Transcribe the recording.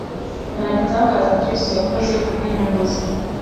Nta gitangaza Kristo yakoze ku bw’inyungu ze